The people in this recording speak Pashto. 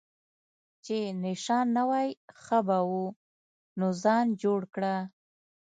چې نشه نه وای ښه به وو، نو ځان جوړ کړه.